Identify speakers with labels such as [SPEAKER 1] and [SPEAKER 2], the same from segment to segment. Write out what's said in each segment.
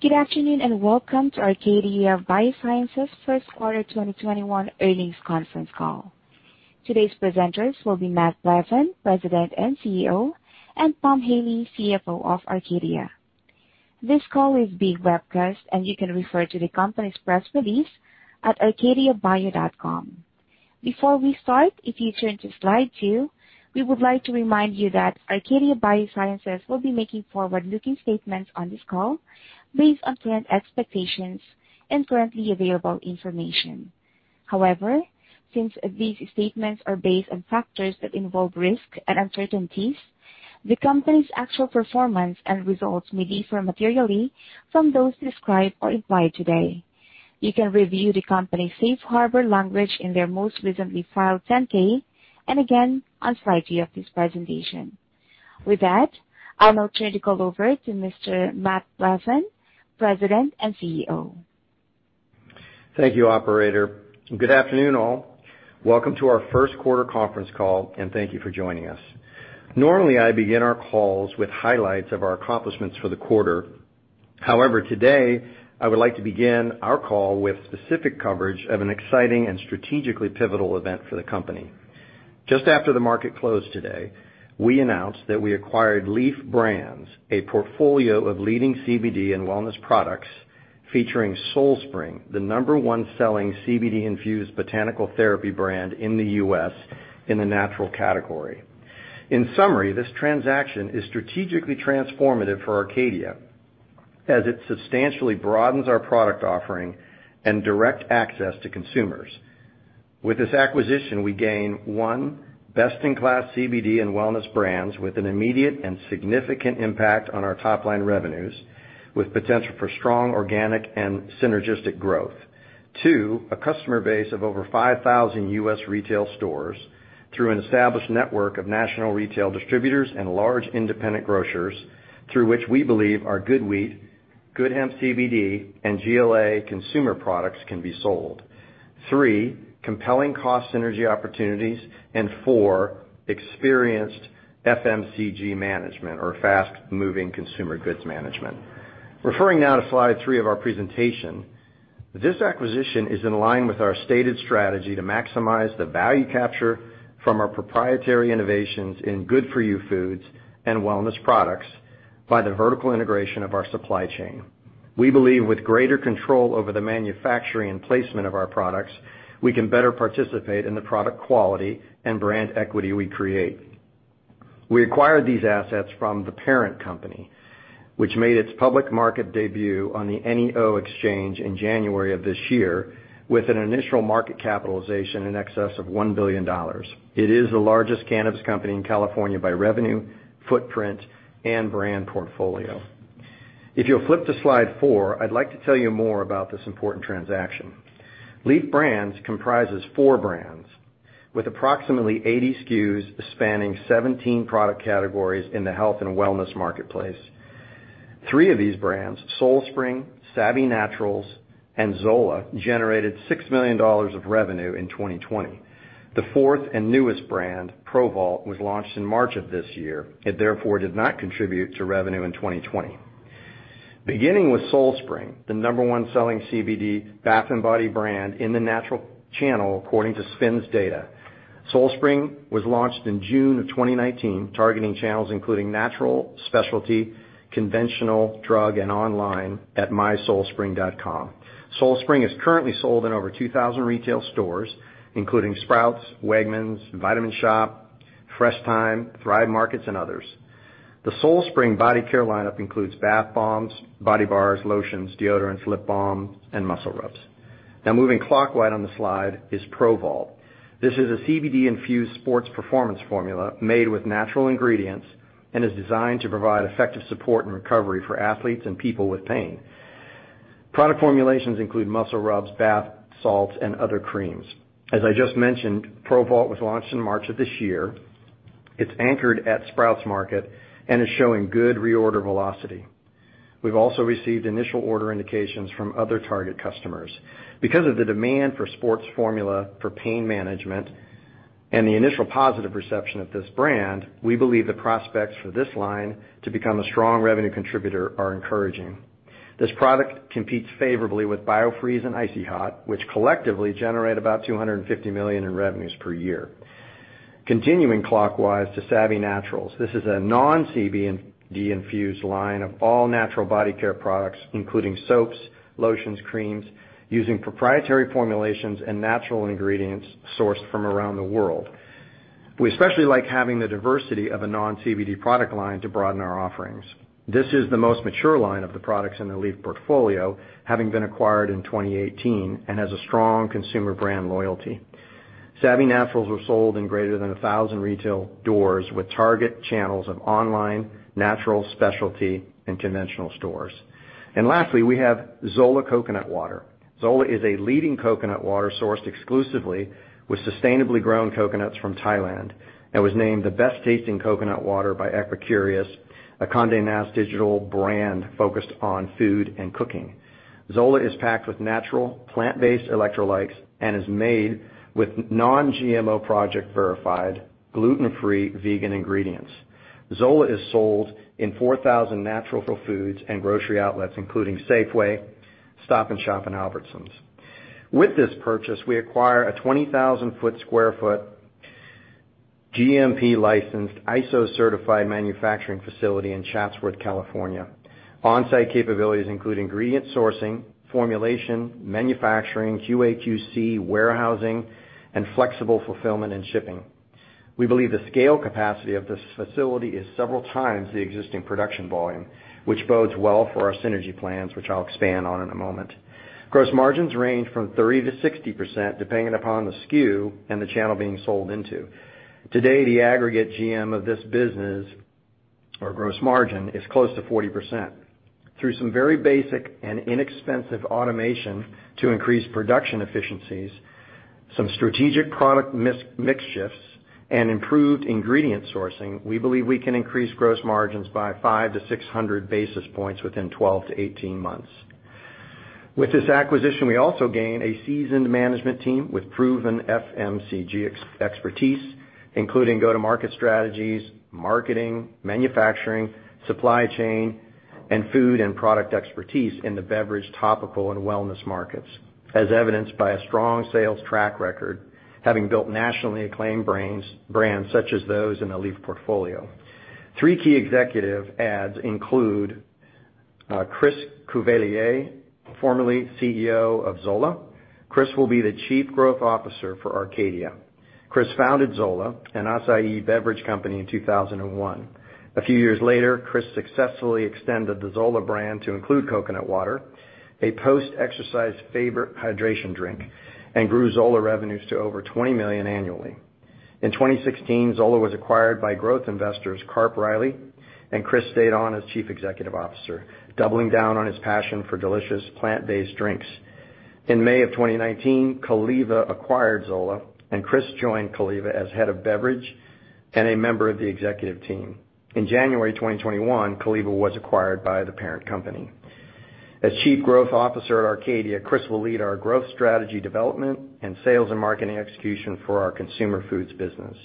[SPEAKER 1] Good afternoon, welcome to Arcadia Biosciences' first quarter 2021 earnings conference call. Today's presenters will be Matt Plavan, President and CEO, and Pam Haley, CFO of Arcadia. This call is being webcast, and you can refer to the company's press release at arcadiabio.com. Before we start, if you turn to slide two, we would like to remind you that Arcadia Biosciences will be making forward-looking statements on this call based on current expectations and currently available information. Since these statements are based on factors that involve risk and uncertainties, the company's actual performance and results may differ materially from those described or implied today. You can review the company's safe harbor language in their most recently filed 10-K, and again on slide two of this presentation. I'll now turn the call over to Mr. Matt Plavan, President and CEO.
[SPEAKER 2] Thank you, operator. Good afternoon, all. Welcome to our first quarter conference call, and thank you for joining us. Normally, I begin our calls with highlights of our accomplishments for the quarter. However, today, I would like to begin our call with specific coverage of an exciting and strategically pivotal event for the company. Just after the market closed today, we announced that we acquired Lief Brands, a portfolio of leading CBD and wellness products featuring Soul Spring, the number one selling CBD-infused botanical therapy brand in the U.S. in the natural category. In summary, this transaction is strategically transformative for Arcadia, as it substantially broadens our product offering and direct access to consumers. With this acquisition, we gain, one, best-in-class CBD and wellness brands with an immediate and significant impact on our top-line revenues, with potential for strong organic and synergistic growth. Two, a customer base of over 5,000 U.S. retail stores through an established network of national retail distributors and large independent grocers through which we believe our GoodWheat, GoodHemp CBD, and GLA consumer products can be sold. Three, compelling cost synergy opportunities. Four, experienced FMCG management or fast-moving consumer goods management. Referring now to slide three of our presentation. This acquisition is in line with our stated strategy to maximize the value capture from our proprietary innovations in good-for-you foods and wellness products by the vertical integration of our supply chain. We believe with greater control over the manufacturing and placement of our products, we can better participate in the product quality and brand equity we create. We acquired these assets from the parent company, which made its public market debut on the NEO Exchange in January of this year with an initial market capitalization in excess of $1 billion. It is the largest cannabis company in California by revenue, footprint, and brand portfolio. If you'll flip to slide four, I'd like to tell you more about this important transaction. Lief Brands comprises four brands with approximately 80 SKUs spanning 17 product categories in the health and wellness marketplace. Three of these brands, Soul Spring, Saavy Naturals, and Zola, generated $6 million of revenue in 2020. The fourth and newest brand, ProVault, was launched in March of this year and therefore did not contribute to revenue in 2020. Beginning with Soul Spring, the number one selling CBD bath and body brand in the natural channel according to SPINS data. Soul Spring was launched in June of 2019, targeting channels including natural, specialty, conventional, drug, and online at mysoulspring.com. Soul Spring is currently sold in over 2,000 retail stores, including Sprouts, Wegmans, Vitamin Shoppe, Fresh Thyme, Thrive Market, and others. The Soul Spring body care lineup includes bath bombs, body bars, lotions, deodorants, lip balm, and muscle rubs. Now moving clockwise on the slide is ProVault. This is a CBD-infused sports performance formula made with natural ingredients and is designed to provide effective support and recovery for athletes and people with pain. Product formulations include muscle rubs, bath salts, and other creams. As I just mentioned, ProVault was launched in March of this year. It's anchored at Sprouts market and is showing good reorder velocity. We've also received initial order indications from other target customers. Because of the demand for sports formula for pain management and the initial positive reception of this brand, we believe the prospects for this line to become a strong revenue contributor are encouraging. This product competes favorably with Biofreeze and Icy Hot, which collectively generate about $250 million in revenues per year. Continuing clockwise to Saavy Naturals. This is a non-CBD-infused line of all-natural body care products, including soaps, lotions, creams, using proprietary formulations and natural ingredients sourced from around the world. We especially like having the diversity of a non-CBD product line to broaden our offerings. This is the most mature line of the products in the Lief portfolio, having been acquired in 2018, and has a strong consumer brand loyalty. Saavy Naturals are sold in greater than 1,000 retail doors with target channels of online, natural, specialty, and conventional stores. Lastly, we have Zola Coconut Water. Zola is a leading coconut water sourced exclusively with sustainably grown coconuts from Thailand and was named the best-tasting coconut water by Epicurious, a Condé Nast digital brand focused on food and cooking. Zola is packed with natural, plant-based electrolytes and is made with non-GMO project-verified, gluten-free, vegan ingredients. Zola is sold in 4,000 natural foods and grocery outlets, including Safeway, Stop & Shop, and Albertsons. With this purchase, we acquire a 20,000 sq ft GMP licensed, ISO-certified manufacturing facility in Chatsworth, California. On-site capabilities include ingredient sourcing, formulation, manufacturing, QA/QC, warehousing, and flexible fulfillment and shipping. We believe the scale capacity of this facility is several times the existing production volume, which bodes well for our synergy plans, which I'll expand on in a moment. Gross margins range from 30%-60%, depending upon the SKU and the channel being sold into. Today, the aggregate GM of this business, or gross margin, is close to 40%. Through some very basic and inexpensive automation to increase production efficiencies, some strategic product mix shifts, and improved ingredient sourcing, we believe we can increase gross margins by 500-600 basis points within 12-18 months. With this acquisition, we also gain a seasoned management team with proven FMCG expertise, including go-to-market strategies, marketing, manufacturing, supply chain, and food and product expertise in the beverage, topical, and wellness markets, as evidenced by a strong sales track record, having built nationally acclaimed brands such as those in the Lief portfolio. Three key executive adds include Chris Cuvelier, formerly CEO of Zola. Chris will be the Chief Growth Officer for Arcadia. Chris founded Zola, an acai beverage company, in 2001. A few years later, Chris successfully extended the Zola brand to include coconut water, a post-exercise favorite hydration drink, and grew Zola revenues to over $20 million annually. In 2016, Zola was acquired by growth investors KarpReilly. Chris stayed on as chief executive officer, doubling down on his passion for delicious plant-based drinks. In May of 2019, Caliva acquired Zola. Chris joined Caliva as head of beverage and a member of the executive team. In January 2021, Caliva was acquired by the parent company. As Chief Growth Officer at Arcadia, Chris will lead our growth strategy development and sales and marketing execution for our consumer foods business.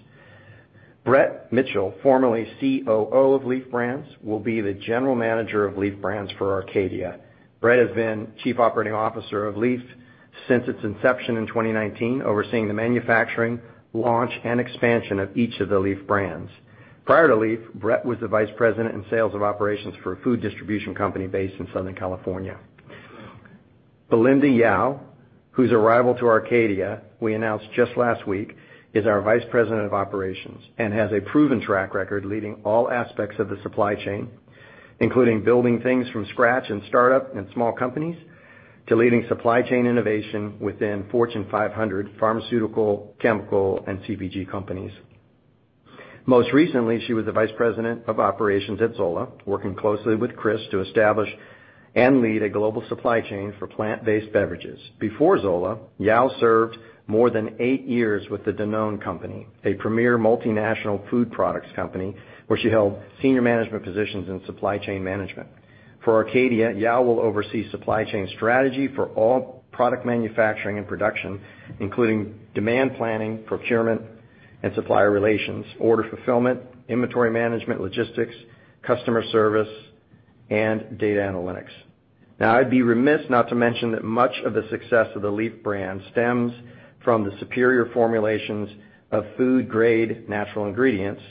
[SPEAKER 2] Brett Mitchell, formerly COO of Lief Brands, will be the general manager of Lief Brands for Arcadia. Brett has been chief operating officer of Lief since its inception in 2019, overseeing the manufacturing, launch, and expansion of each of the Lief Brands. Prior to Lief, Brett Mitchell was the vice president in sales of operations for a food distribution company based in Southern California. Belinda Yau, whose arrival to Arcadia we announced just last week, is our Vice President of Operations and has a proven track record leading all aspects of the supply chain, including building things from scratch in startup and small companies to leading supply chain innovation within Fortune 500 pharmaceutical, chemical, and CPG companies. Most recently, she was the vice president of operations at Zola, working closely with Chris to establish and lead a global supply chain for plant-based beverages. Before Zola, Yau served more than eight years with the Danone company, a premier multinational food products company, where she held senior management positions in supply chain management. For Arcadia, Yau will oversee supply chain strategy for all product manufacturing and production, including demand planning, procurement and supplier relations, order fulfillment, inventory management, logistics, customer service, and data analytics. I'd be remiss not to mention that much of the success of the Lief Brands stems from the superior formulations of food-grade natural ingredients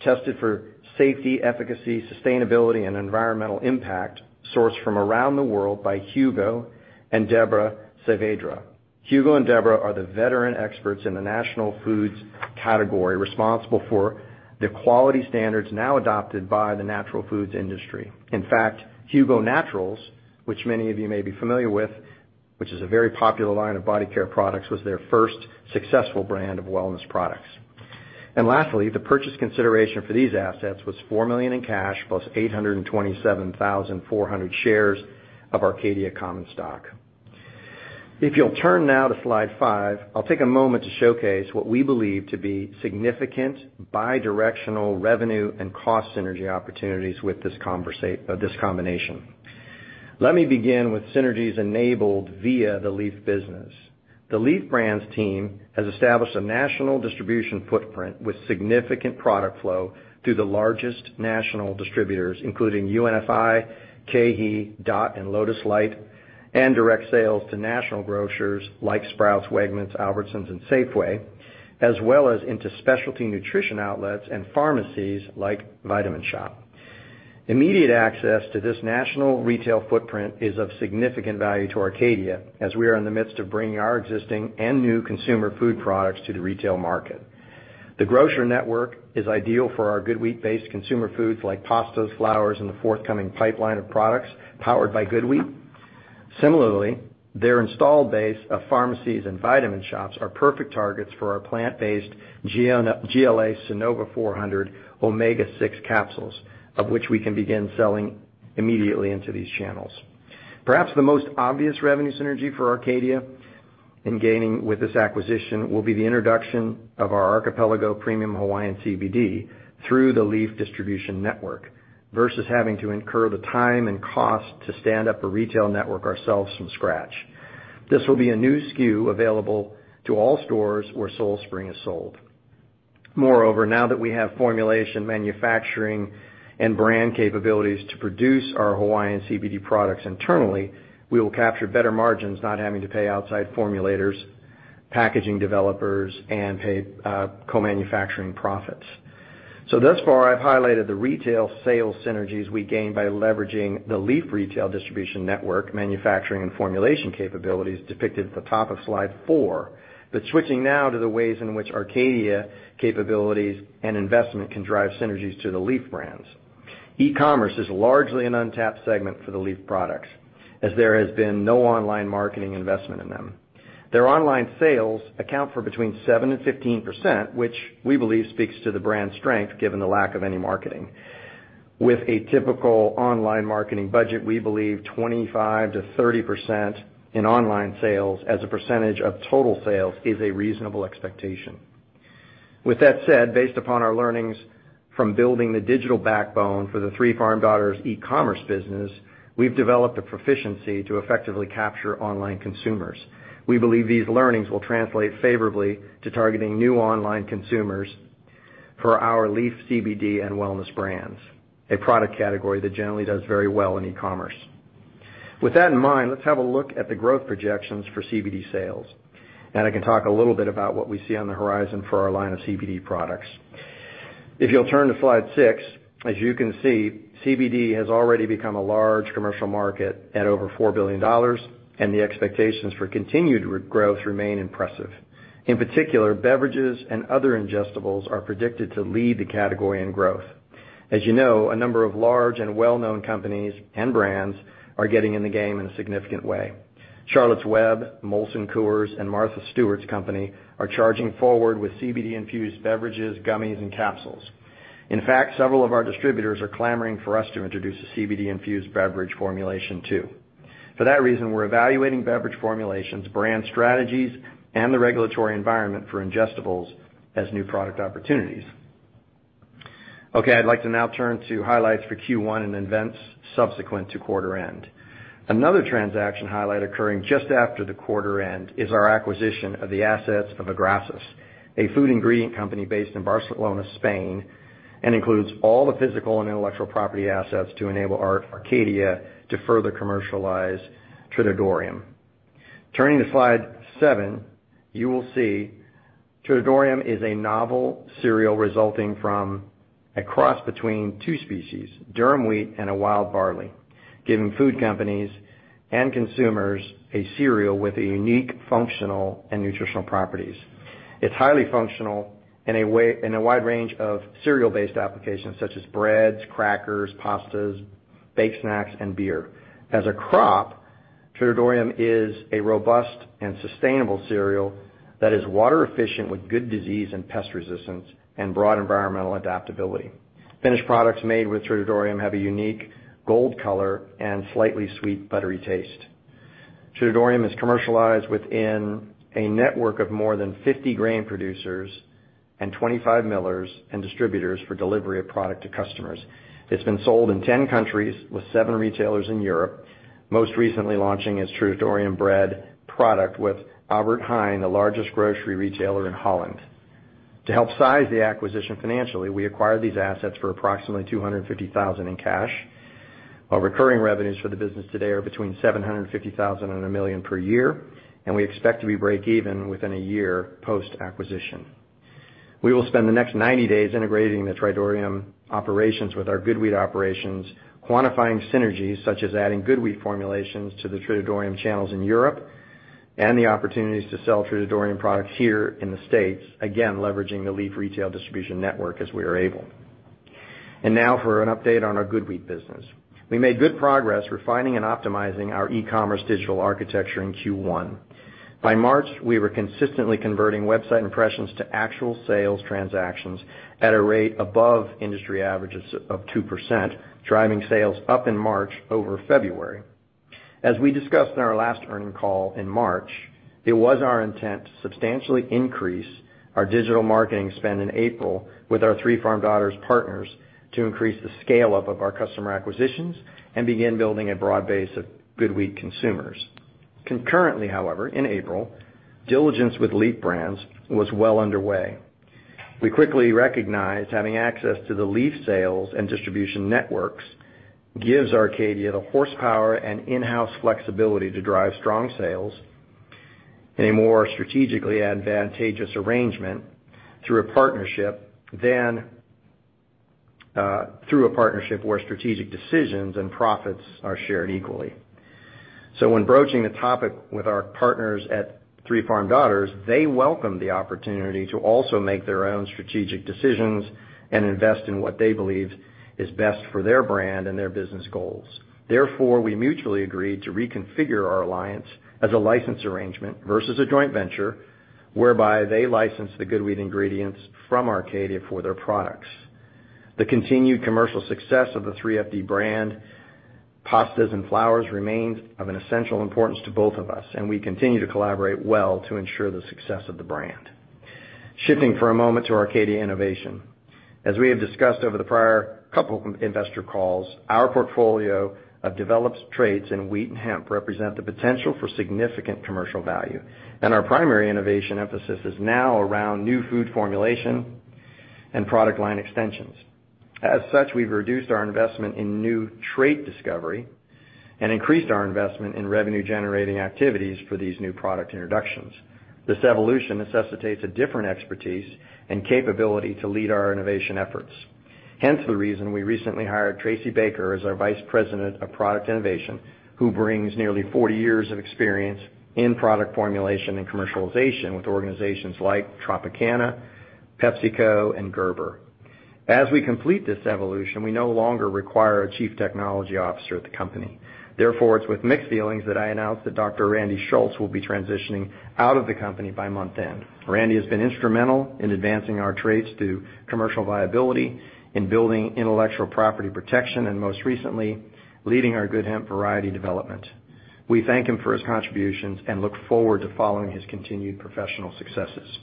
[SPEAKER 2] tested for safety, efficacy, sustainability, and environmental impact, sourced from around the world by Hugo and Debra Saavedra. Hugo and Debra are the veteran experts in the natural foods category responsible for the quality standards now adopted by the natural foods industry. In fact, Hugo Naturals, which many of you may be familiar with, which is a very popular line of body care products, was their first successful brand of wellness products. Lastly, the purchase consideration for these assets was $4 million in cash, plus 827,400 shares of Arcadia common stock. If you'll turn now to slide five, I'll take a moment to showcase what we believe to be significant bi-directional revenue and cost synergy opportunities with this combination. Let me begin with synergies enabled via the Lief business. The Lief Brands team has established a national distribution footprint with significant product flow through the largest national distributors, including UNFI, KeHE, Dot and Lotus Light, and direct sales to national grocers like Sprouts, Wegmans, Albertsons and Safeway, as well as into specialty nutrition outlets and pharmacies like Vitamin Shoppe. Immediate access to this national retail footprint is of significant value to Arcadia, as we are in the midst of bringing our existing and new consumer food products to the retail market. The grocer network is ideal for our GoodWheat-based consumer foods like pastas, flours, and the forthcoming pipeline of products powered by GoodWheat. Similarly, their installed base of pharmacies and Vitamin Shoppes are perfect targets for our plant-based GLA Sonova 400 omega-6 capsules, of which we can begin selling immediately into these channels. Perhaps the most obvious revenue synergy for Arcadia in gaining with this acquisition will be the introduction of our Archipelago premium Hawaiian CBD through the Lief distribution network versus having to incur the time and cost to stand up a retail network ourselves from scratch. This will be a new SKU available to all stores where Soul Spring is sold. Moreover, now that we have formulation, manufacturing, and brand capabilities to produce our Hawaiian CBD products internally, we will capture better margins, not having to pay outside formulators, packaging developers, and pay co-manufacturing profits. Thus far, I've highlighted the retail sales synergies we gain by leveraging the Lief retail distribution network manufacturing and formulation capabilities depicted at the top of slide four. Switching now to the ways in which Arcadia capabilities and investment can drive synergies to the Lief brands. E-commerce is largely an untapped segment for the Lief products, as there has been no online marketing investment in them. Their online sales account for between 7%-15%, which we believe speaks to the brand strength given the lack of any marketing. With a typical online marketing budget, we believe 25%-30% in online sales as a percentage of total sales is a reasonable expectation. With that said, based upon our learnings from building the digital backbone for the Three Farm Daughters e-commerce business, we've developed a proficiency to effectively capture online consumers. We believe these learnings will translate favorably to targeting new online consumers for our Lief CBD and wellness brands, a product category that generally does very well in e-commerce. With that in mind, let's have a look at the growth projections for CBD sales, and I can talk a little bit about what we see on the horizon for our line of CBD products. If you'll turn to slide six, as you can see, CBD has already become a large commercial market at over $4 billion, and the expectations for continued growth remain impressive. In particular, beverages and other ingestibles are predicted to lead the category in growth. As you know, a number of large and well-known companies and brands are getting in the game in a significant way. Charlotte's Web, Molson Coors, and Martha Stewart's company are charging forward with CBD-infused beverages, gummies, and capsules. In fact, several of our distributors are clamoring for us to introduce a CBD-infused beverage formulation, too. For that reason, we're evaluating beverage formulations, brand strategies, and the regulatory environment for ingestibles as new product opportunities. Okay, I'd like to now turn to highlights for Q1 and events subsequent to quarter end. Another transaction highlight occurring just after the quarter end is our acquisition of the assets of Agrasys, a food ingredient company based in Barcelona, Spain, and includes all the physical and intellectual property assets to enable Arcadia to further commercialize Tritordeum. Turning to slide seven, you will see Tritordeum is a novel cereal resulting from a cross between two species, durum wheat and a wild barley, giving food companies and consumers a cereal with unique functional and nutritional properties. It's highly functional in a wide range of cereal-based applications such as breads, crackers, pastas, baked snacks, and beer. As a crop, Tritordeum is a robust and sustainable cereal that is water efficient with good disease and pest resistance and broad environmental adaptability. Finished products made with Tritordeum have a unique gold color and slightly sweet, buttery taste. Tritordeum is commercialized within a network of more than 50 grain producers and 25 millers and distributors for delivery of product to customers. It's been sold in 10 countries with seven retailers in Europe, most recently launching its Tritordeum bread product with Albert Heijn, the largest grocery retailer in Holland. To help size the acquisition financially, we acquired these assets for approximately $250,000 in cash, while recurring revenues for the business today are between $750,000 and $1 million per year, and we expect to be breakeven within a year post-acquisition. We will spend the next 90 days integrating the Tritordeum operations with our GoodWheat operations, quantifying synergies such as adding GoodWheat formulations to the Tritordeum channels in Europe and the opportunities to sell Tritordeum products here in the U.S., again, leveraging the Lief retail distribution network as we are able. Now for an update on our GoodWheat business. We made good progress refining and optimizing our e-commerce digital architecture in Q1. By March, we were consistently converting website impressions to actual sales transactions at a rate above industry averages of 2%, driving sales up in March over February. As we discussed in our last earnings call in March, it was our intent to substantially increase our digital marketing spend in April with our Three Farm Daughters partners to increase the scale-up of our customer acquisitions and begin building a broad base of GoodWheat consumers. Concurrently, however, in April, diligence with Lief Brands was well underway. We quickly recognized having access to the Lief sales and distribution networks gives Arcadia the horsepower and in-house flexibility to drive strong sales in a more strategically advantageous arrangement through a partnership where strategic decisions and profits are shared equally. When broaching the topic with our partners at Three Farm Daughters, they welcomed the opportunity to also make their own strategic decisions and invest in what they believed is best for their brand and their business goals. Therefore, we mutually agreed to reconfigure our alliance as a license arrangement versus a joint venture, whereby they license the GoodWheat ingredients from Arcadia for their products. The continued commercial success of the 3FD brand, pastas, and flours remained of an essential importance to both of us. We continue to collaborate well to ensure the success of the brand. Shifting for a moment to Arcadia innovation. As we have discussed over the prior couple of investor calls, our portfolio of developed traits in wheat and hemp represent the potential for significant commercial value. Our primary innovation emphasis is now around new food formulation and product line extensions. As such, we've reduced our investment in new trait discovery and increased our investment in revenue-generating activities for these new product introductions. This evolution necessitates a different expertise and capability to lead our innovation efforts. The reason we recently hired Tracy Baker as our Vice President of Product Innovation, who brings nearly 40 years of experience in product formulation and commercialization with organizations like Tropicana, PepsiCo, and Gerber. As we complete this evolution, we no longer require a Chief Technology Officer at the company. It's with mixed feelings that I announce that Dr. Randy Shultz will be transitioning out of the company by month-end. Randy has been instrumental in advancing our traits to commercial viability, in building intellectual property protection, and most recently, leading our GoodHemp variety development. We thank him for his contributions and look forward to following his continued professional successes.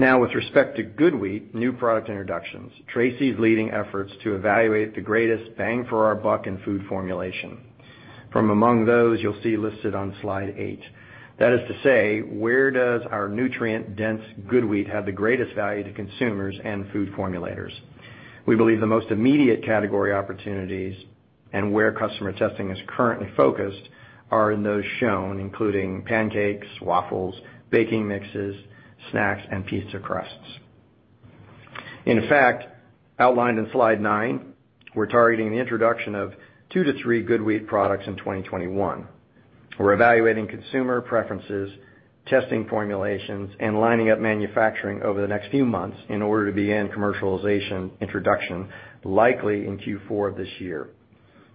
[SPEAKER 2] With respect to GoodWheat new product introductions, Tracy's leading efforts to evaluate the greatest bang for our buck in food formulation. From among those, you'll see listed on slide eight. That is to say, where does our nutrient-dense GoodWheat have the greatest value to consumers and food formulators? We believe the most immediate category opportunities and where customer testing is currently focused are in those shown, including pancakes, waffles, baking mixes, snacks, and pizza crusts. In fact, outlined in slide nine, we're targeting the introduction of two to three GoodWheat products in 2021. We're evaluating consumer preferences, testing formulations, and lining up manufacturing over the next few months in order to begin commercialization introduction likely in Q4 of this year.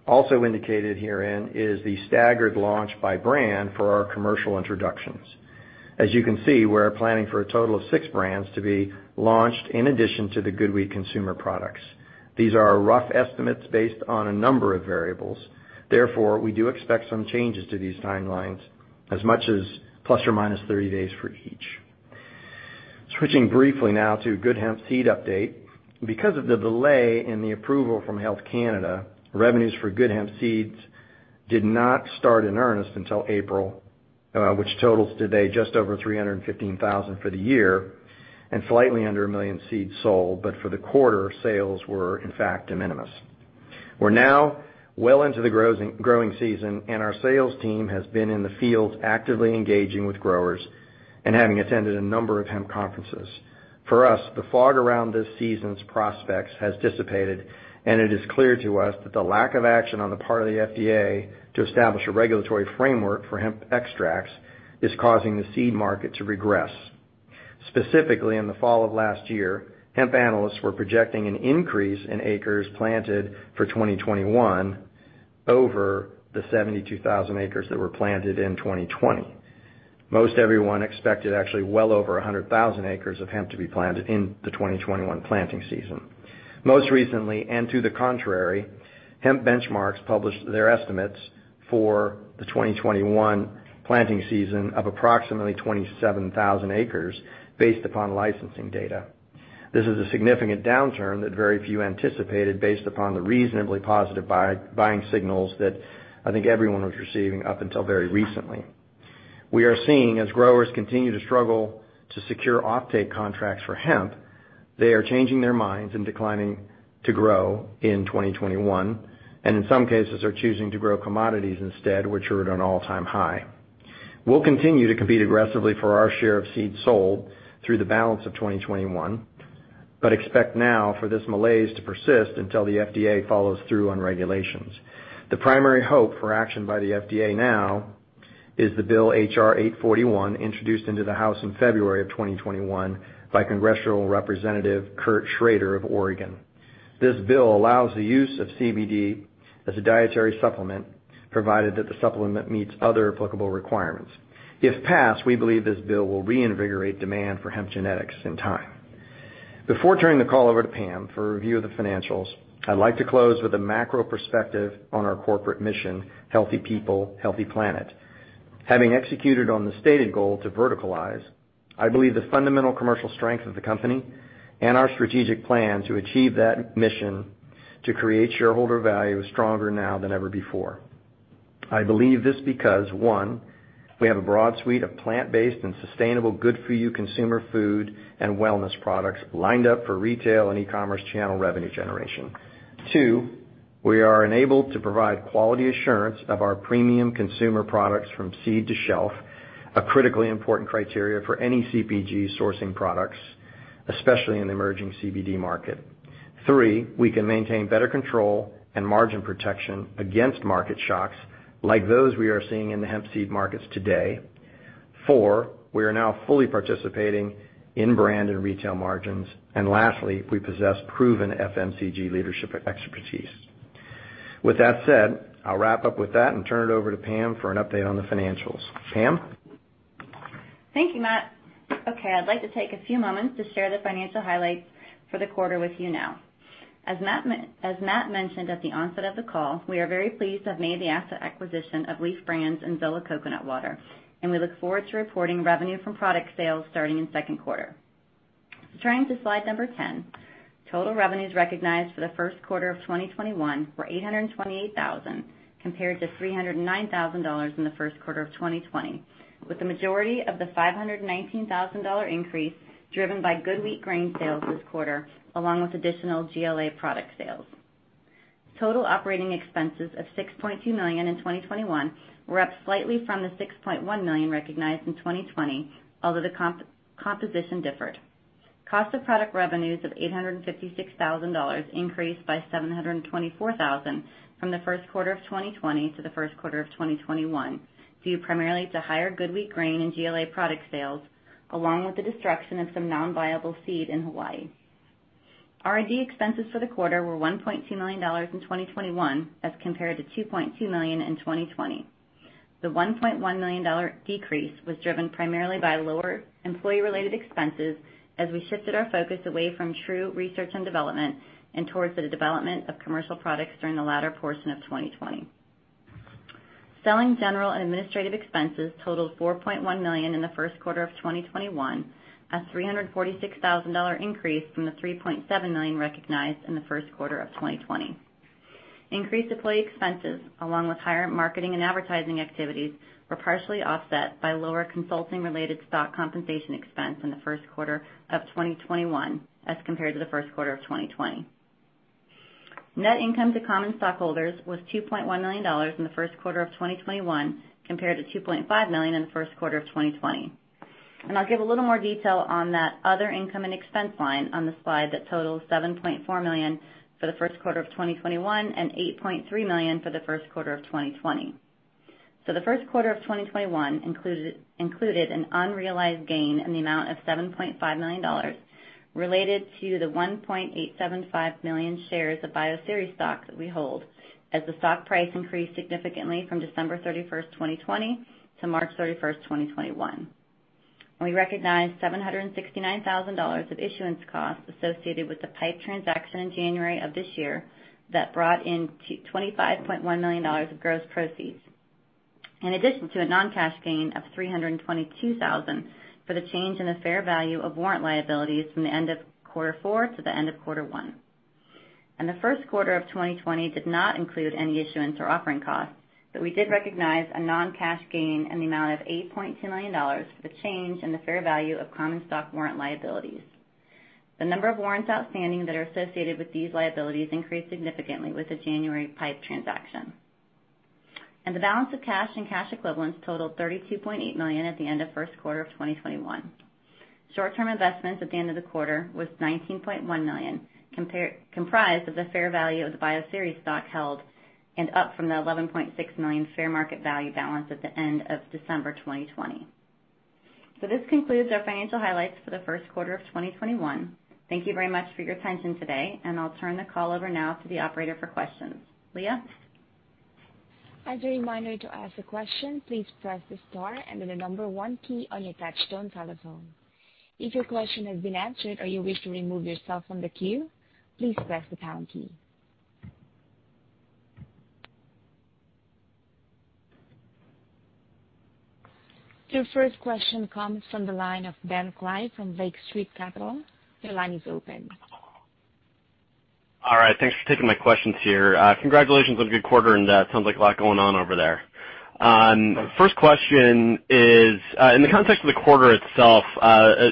[SPEAKER 2] Also indicated herein is the staggered launch by brand for our commercial introductions. As you can see, we're planning for a total of six brands to be launched in addition to the GoodWheat consumer products. These are rough estimates based on a number of variables. Therefore, we do expect some changes to these timelines as much as ±30 days for each. Switching briefly now to GoodHemp seed update. Because of the delay in the approval from Health Canada, revenues for GoodHemp seeds did not start in earnest until April, which totals today just over $315,000 for the year and slightly under 1 million seeds sold. For the quarter, sales were in fact de minimis. We're now well into the growing season, and our sales team has been in the field actively engaging with growers and having attended a number of hemp conferences. For us, the fog around this season's prospects has dissipated, and it is clear to us that the lack of action on the part of the FDA to establish a regulatory framework for hemp extracts is causing the seed market to regress. Specifically, in the fall of last year, hemp analysts were projecting an increase in acres planted for 2021 over the 72,000 acres that were planted in 2020. Most everyone expected actually well over 100,000 acres of hemp to be planted in the 2021 planting season. Most recently, and to the contrary, Hemp Benchmarks published their estimates for the 2021 planting season of approximately 27,000 acres based upon licensing data. This is a significant downturn that very few anticipated based upon the reasonably positive buying signals that I think everyone was receiving up until very recently. We are seeing as growers continue to struggle to secure offtake contracts for hemp, they are changing their minds and declining to grow in 2021, and in some cases are choosing to grow commodities instead, which are at an all-time high. We'll continue to compete aggressively for our share of seeds sold through the balance of 2021. Expect now for this malaise to persist until the FDA follows through on regulations. The primary hope for action by the FDA now is the bill H.R.841, introduced into the House in February of 2021 by Congressional Representative Kurt Schrader of Oregon. This bill allows the use of CBD as a dietary supplement, provided that the supplement meets other applicable requirements. If passed, we believe this bill will reinvigorate demand for hemp genetics in time. Before turning the call over to Pam for a review of the financials, I'd like to close with a macro perspective on our corporate mission, healthy people, healthy planet. Having executed on the stated goal to verticalize, I believe the fundamental commercial strength of the company and our strategic plan to achieve that mission to create shareholder value is stronger now than ever before. I believe this because, one, we have a broad suite of plant-based and sustainable good-for-you consumer food and wellness products lined up for retail and e-commerce channel revenue generation. Two, we are enabled to provide quality assurance of our premium consumer products from seed to shelf, a critically important criteria for any CPG sourcing products, especially in the emerging CBD market. Three, we can maintain better control and margin protection against market shocks like those we are seeing in the hemp seed markets today. Four, we are now fully participating in brand and retail margins. Lastly, we possess proven FMCG leadership expertise. With that said, I'll wrap up with that and turn it over to Pam for an update on the financials. Pam?
[SPEAKER 3] Thank you, Matt. I'd like to take a few moments to share the financial highlights for the quarter with you now. As Matt mentioned at the onset of the call, we are very pleased to have made the asset acquisition of Lief Brands and Zola Coconut Water, and we look forward to reporting revenue from product sales starting in the second quarter. Turning to slide number 10. Total revenues recognized for the first quarter of 2021 were $828,000 compared to $309,000 in the first quarter of 2020, with the majority of the $519,000 increase driven by GoodWheat Grain sales this quarter, along with additional GLA product sales. Total operating expenses of $6.2 million in 2021 were up slightly from the $6.1 million recognized in 2020, although the composition differed. Cost of product revenues of $856,000 increased by $724,000 from the first quarter of 2020 to the first quarter of 2021, due primarily to higher GoodWheat Grain and GLA product sales, along with the destruction of some non-viable seed in Hawaii. R&D expenses for the quarter were $1.2 million in 2021 as compared to $2.2 million in 2020. The $1.1 million decrease was driven primarily by lower employee-related expenses as we shifted our focus away from true research and development and towards the development of commercial products during the latter portion of 2020. Selling, general, and administrative expenses totaled $4.1 million in the first quarter of 2021, a $346,000 increase from the $3.7 million recognized in the first quarter of 2020. Increased employee expenses along with higher marketing and advertising activities were partially offset by lower consulting-related stock compensation expense in the first quarter of 2021 as compared to the first quarter of 2020. Net income to common stockholders was $2.1 million in the first quarter of 2021 compared to $2.59 million in the first quarter of 2020. I'll give a little more detail on that other income and expense line on the slide that totals $7.4 million for the first quarter of 2021 and $8.3 million for the first quarter of 2020. The first quarter of 2021 included an unrealized gain in the amount of $7.59 million related to the 1.875 million shares of Bioceres stock that we hold as the stock price increased significantly from December 31st, 2020 to March 31st, 2021. We recognized $769,000 of issuance costs associated with the PIPE transaction in January of this year that brought in $25.1 million of gross proceeds. In addition to a non-cash gain of $322,000 for the change in the fair value of warrant liabilities from the end of quarter four to the end of quarter one. The first quarter of 2020 did not include any issuance or offering costs, but we did recognize a non-cash gain in the amount of $8.2 million for the change in the fair value of common stock warrant liabilities. The number of warrants outstanding that are associated with these liabilities increased significantly with the January PIPE transaction. The balance of cash and cash equivalents totaled $32.8 million at the end of first quarter of 2021. Short-term investments at the end of the quarter was $19.1 million, comprised of the fair value of the Bioceres stock held, and up from the $11.6 million fair market value balance at the end of December 2020. This concludes our financial highlights for the first quarter of 2021. Thank you very much for your attention today, and I'll turn the call over now to the operator for questions. Leah?
[SPEAKER 1] A reminder to ask a question, please press the star and the 1 key on your touchtone telephone. If your question has been answered or you wish to remove yourself from the queue, please press the pound key. Your first question comes from the line of Ben Klieve from Lake Street Capital. Your line is open.
[SPEAKER 4] All right. Thanks for taking my questions here. Congratulations on a good quarter, and that sounds like a lot going on over there. First question is, in the context of the quarter itself,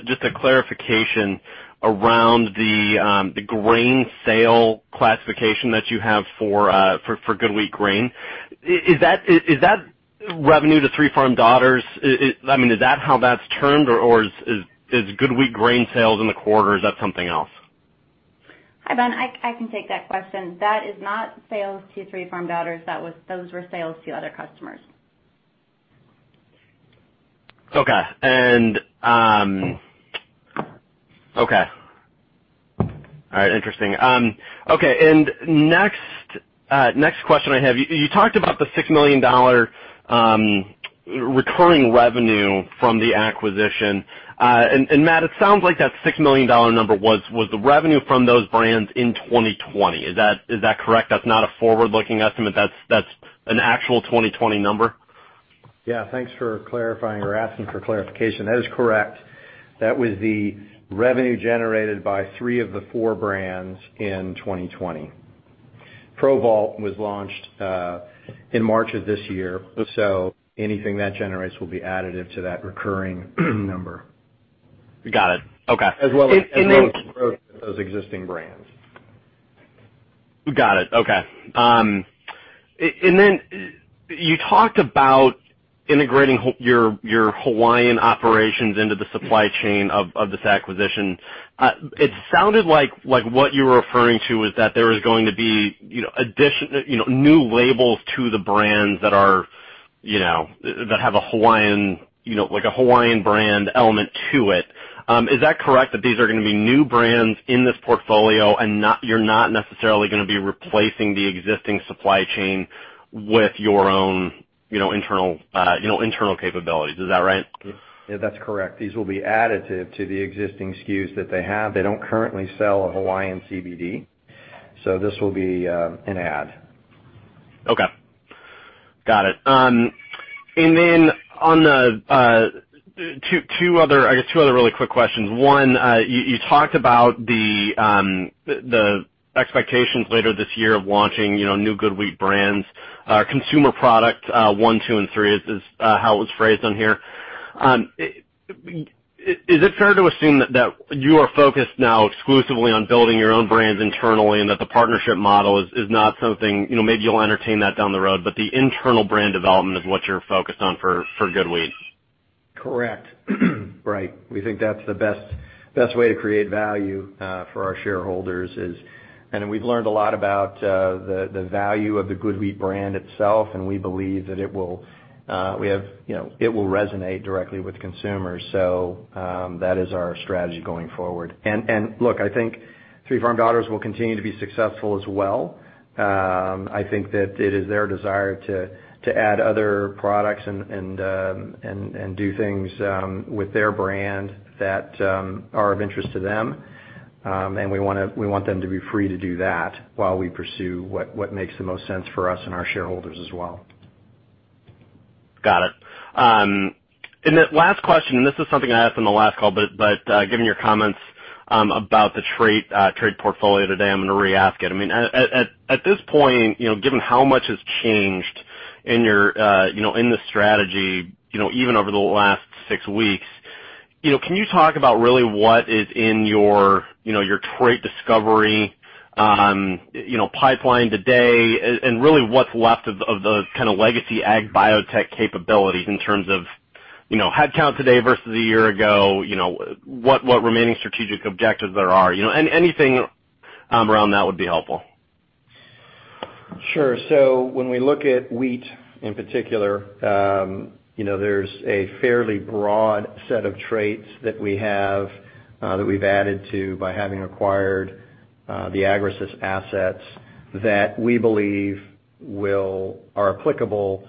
[SPEAKER 4] just a clarification around the grain sale classification that you have for GoodWheat Grain. Is that revenue to Three Farm Daughters? Is that how that's termed or is GoodWheat Grain sales in the quarter or is that something else?
[SPEAKER 3] Hi, Ben. I can take that question. That is not sales to Three Farm Daughters. Those were sales to other customers.
[SPEAKER 4] Okay. All right. Interesting. Okay. Next question I have, you talked about the $6 million recurring revenue from the acquisition. Matt, it sounds like that $6 million number was the revenue from those brands in 2020. Is that correct? That's not a forward-looking estimate. That's an actual 2020 number?
[SPEAKER 2] Yeah. Thanks for asking for clarification. That is correct. That was the revenue generated by three of the four brands in 2020. ProVault was launched in March of this year. Anything that generates will be additive to that recurring number.
[SPEAKER 4] Got it. Okay.
[SPEAKER 2] As well as growth of those existing brands.
[SPEAKER 4] Got it. Okay. Then you talked about integrating your Hawaiian operations into the supply chain of this acquisition. It sounded like what you were referring to was that there was going to be new labels to the brands that have a Hawaiian brand element to it. Is that correct? These are going to be new brands in this portfolio and you're not necessarily going to be replacing the existing supply chain with your own internal capabilities. Is that right?
[SPEAKER 2] Yeah, that's correct. These will be additive to the existing SKUs that they have. They don't currently sell a Hawaiian CBD, so this will be an add.
[SPEAKER 4] Okay. Got it. Two other really quick questions. One, you talked about the expectations later this year of launching new GoodWheat brands, consumer product one, two, and three is how it was phrased on here. Is it fair to assume that you are focused now exclusively on building your own brands internally and that the partnership model is not something, maybe you'll entertain that down the road, but the internal brand development is what you're focused on for GoodWheat?
[SPEAKER 2] Correct. Right. We think that's the best way to create value for our shareholders is, and we've learned a lot about the value of the GoodWheat brand itself, and we believe that it will resonate directly with consumers. That is our strategy going forward. Look, I think Three Farm Daughters will continue to be successful as well. I think that it is their desire to add other products and do things with their brand that are of interest to them. We want them to be free to do that while we pursue what makes the most sense for us and our shareholders as well.
[SPEAKER 4] Got it. Last question, and this is something I asked on the last call, but given your comments about the trait portfolio today, I'm going to re-ask it. At this point, given how much has changed in the strategy, even over the last six weeks, can you talk about really what is in your trait discovery pipeline today and really what's left of those legacy ag biotech capabilities in terms of headcount today versus a year ago, what remaining strategic objectives there are? Anything around that would be helpful.
[SPEAKER 2] Sure. When we look at wheat in particular, there's a fairly broad set of traits that we have, that we've added to by having acquired the Agrasys assets that we believe are applicable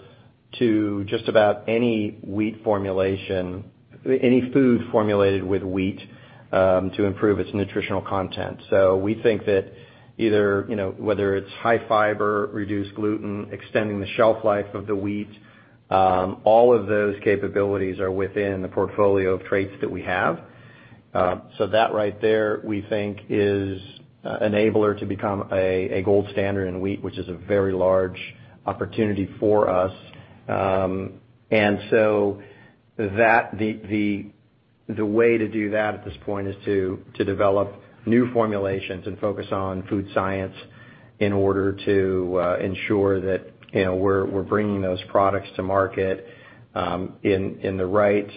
[SPEAKER 2] to just about any wheat formulation, any food formulated with wheat, to improve its nutritional content. We think that either whether it's high fiber, reduced gluten, extending the shelf life of the wheat, all of those capabilities are within the portfolio of traits that we have. That right there we think is an enabler to become a gold standard in wheat, which is a very large opportunity for us. The way to do that at this point is to develop new formulations and focus on food science in order to ensure that we're bringing those products to market in the right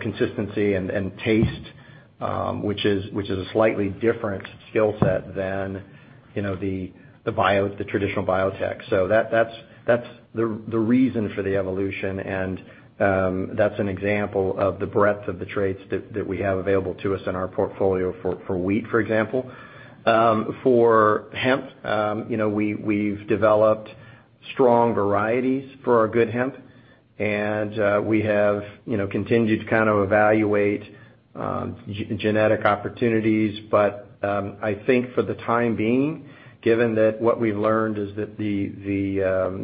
[SPEAKER 2] consistency and taste, which is a slightly different skill set than the traditional biotech. That's the reason for the evolution, and that's an example of the breadth of the traits that we have available to us in our portfolio for wheat, for example. For hemp, we've developed strong varieties for our GoodHemp, and we have continued to evaluate genetic opportunities. I think for the time being, given that what we learned is that the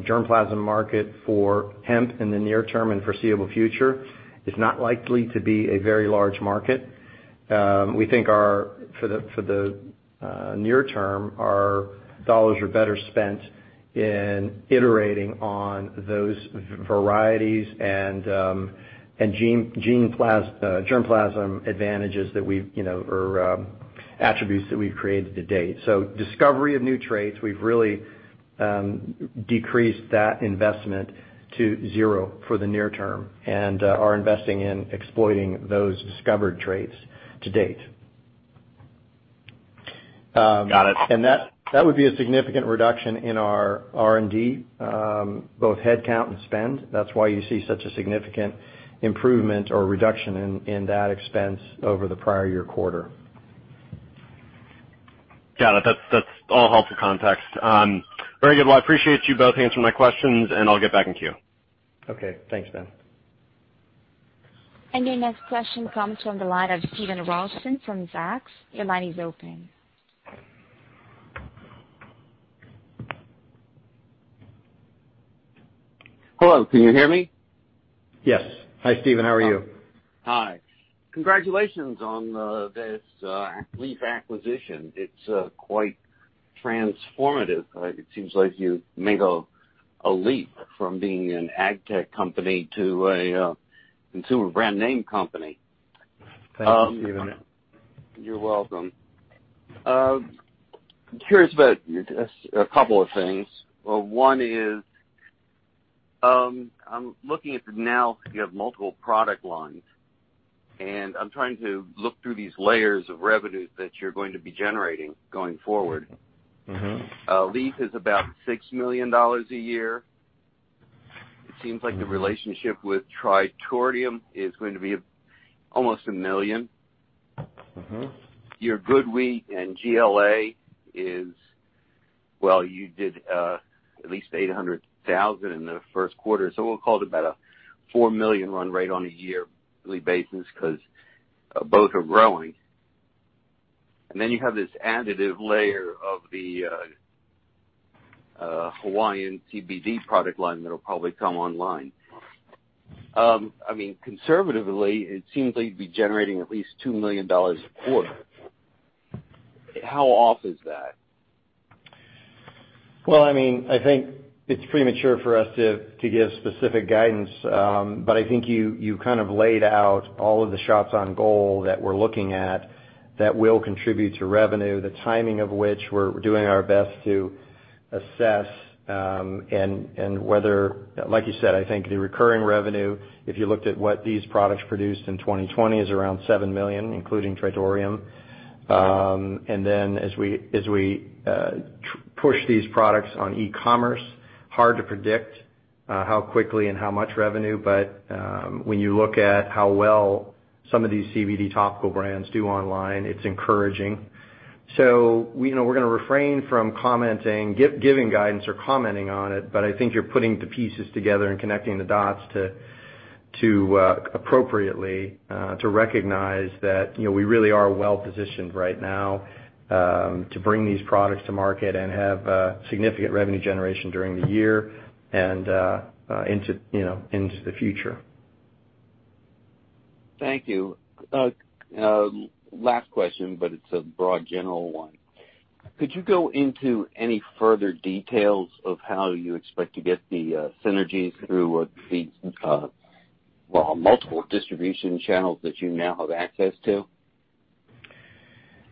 [SPEAKER 2] germplasm market for hemp in the near term and foreseeable future is not likely to be a very large market. We think for the near term, our dollars are better spent in iterating on those varieties and germplasm advantages or attributes that we've created to date. Discovery of new traits, we've really decreased that investment to zero for the near term and are investing in exploiting those discovered traits to date.
[SPEAKER 4] Got it.
[SPEAKER 2] That would be a significant reduction in our R&D, both headcount and spend. That's why you see such a significant improvement or reduction in that expense over the prior year quarter.
[SPEAKER 4] Got it. That all helps the context. Very good. Well, I appreciate you both answering my questions, and I'll get back in queue.
[SPEAKER 2] Okay. Thanks, Ben.
[SPEAKER 1] Your next question comes from the line of Steven Ralston from Zacks. Your line is open.
[SPEAKER 5] Hello, can you hear me?
[SPEAKER 2] Yes. Hi, Steven. How are you?
[SPEAKER 5] Hi. Congratulations on this Lief acquisition. It's quite transformative. It seems like you've made a leap from being an AgTech company to a consumer brand name company.
[SPEAKER 2] Thank you.
[SPEAKER 5] You're welcome. Curious about a couple of things. One is, I'm looking at now you have multiple product lines, and I'm trying to look through these layers of revenues that you're going to be generating going forward. Lief is about $6 million a year. It seems like the relationship with Tritordeum is going to be almost $1 million. Your GoodWheat and GLA is Well, you did at least $800,000 in the first quarter. We'll call it about a $4 million run rate on a yearly basis because both are growing. You have this additive layer of the Hawaiian CBD product line that'll probably come online. Conservatively, it seems like you'd be generating at least $2 million a quarter. How off is that?
[SPEAKER 2] Well, I think it's premature for us to give specific guidance. I think you laid out all of the shots on goal that we're looking at that will contribute to revenue, the timing of which we're doing our best to assess. Whether, like you said, I think the recurring revenue, if you looked at what these products produced in 2020, is around $7 million, including Tritordeum. As we push these products on e-commerce, hard to predict how quickly and how much revenue. When you look at how well some of these CBD topical brands do online, it's encouraging. We're going to refrain from giving guidance or commenting on it. I think you're putting the pieces together and connecting the dots appropriately to recognize that we really are well-positioned right now to bring these products to market and have significant revenue generation during the year and into the future.
[SPEAKER 5] Thank you. Last question, but it's a broad general one. Could you go into any further details of how you expect to get the synergy through the multiple distribution channels that you now have access to?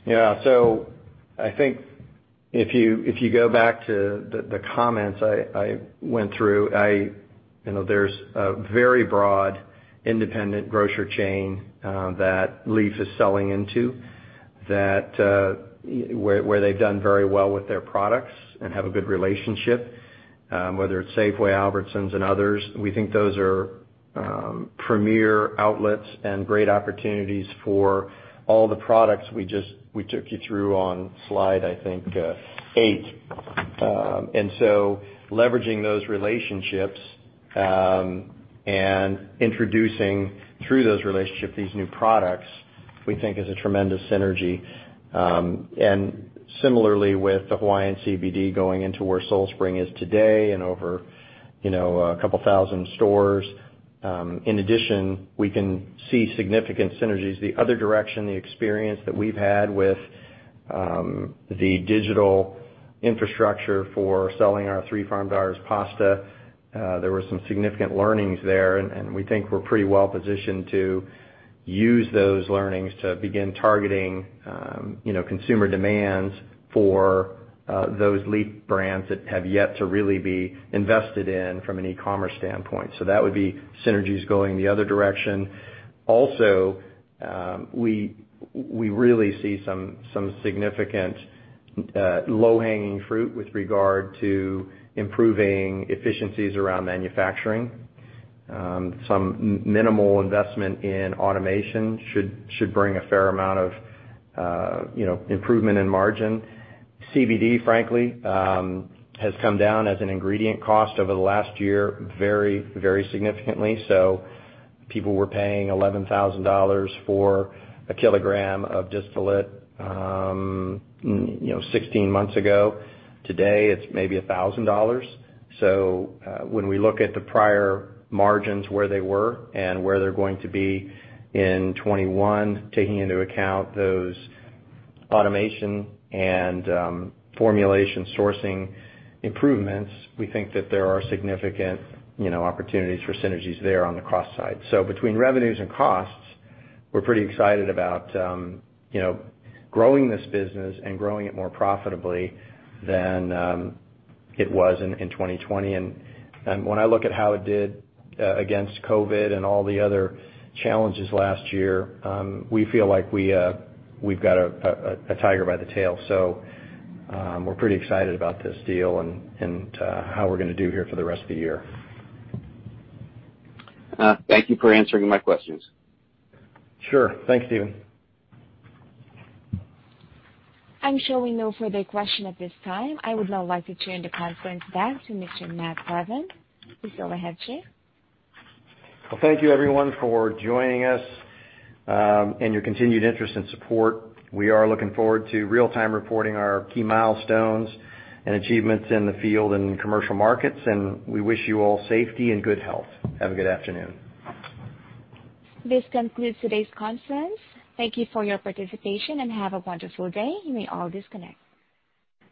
[SPEAKER 2] I think if you go back to the comments I went through, there's a very broad independent grocer chain that Lief is selling into, where they've done very well with their products and have a good relationship, whether it's Safeway, Albertsons, and others. We think those are premier outlets and great opportunities for all the products we took you through on slide, I think, eight. Leveraging those relationships, and introducing through those relationships these new products, we think is a tremendous synergy. Similarly with the Hawaiian CBD going into where Soul Spring is today and over a couple of thousand stores. In addition, we can see significant synergies the other direction, the experience that we've had with the digital infrastructure for selling our Three Farm Daughters pasta. There were some significant learnings there, and we think we're pretty well-positioned to use those learnings to begin targeting consumer demand for those Lief Brands that have yet to really be invested in from an e-commerce standpoint. We really see some significant low-hanging fruit with regard to improving efficiencies around manufacturing. Some minimal investment in automation should bring a fair amount of improvement in margin. CBD, frankly, has come down as an ingredient cost over the last year very significantly. People were paying $11,000 for a kilogram of distillate 16 months ago. Today, it's maybe $1,000. When we look at the prior margins, where they were and where they're going to be in 2021, taking into account those automation and formulation sourcing improvements, we think that there are significant opportunities for synergies there on the cost side. Between revenues and costs, we're pretty excited about growing this business and growing it more profitably than it was in 2020. When I look at how it did against COVID and all the other challenges last year, we feel like we've got a tiger by the tail. We're pretty excited about this deal and how we're going to do here for the rest of the year.
[SPEAKER 5] Thank you for answering my questions.
[SPEAKER 2] Sure. Thank you.
[SPEAKER 1] I'm showing no further question at this time. I would now like to turn the conference back to Mr. Matt Plavan. Please go ahead, sir.
[SPEAKER 2] Well, thank you, everyone, for joining us and your continued interest and support. We are looking forward to real-time reporting our key milestones and achievements in the field and commercial markets, and we wish you all safety and good health. Have a good afternoon.
[SPEAKER 1] This concludes today's conference. Thank you for your participation, and have a wonderful day. You may all disconnect.